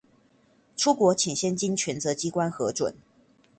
出國請先經權責機關核准